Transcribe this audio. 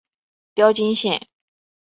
标津线。